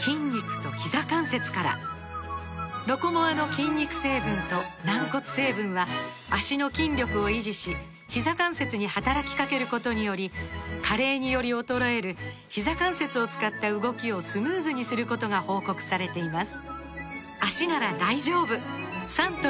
「ロコモア」の筋肉成分と軟骨成分は脚の筋力を維持しひざ関節に働きかけることにより加齢により衰えるひざ関節を使った動きをスムーズにすることが報告されています